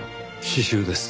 詩集です。